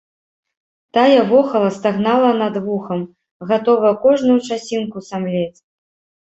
Тая вохала, стагнала над вухам, гатовая кожную часінку самлець.